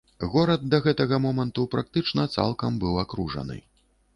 Горад да гэтага моманту практычна цалкам быў акружаны.